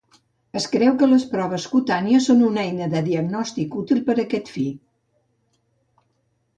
Es creu que les proves cutànies són una eina de diagnòstic útil per a aquest fi.